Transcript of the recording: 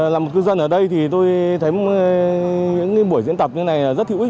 là một cư dân ở đây thì tôi thấy những buổi diễn tập như thế này rất hữu ích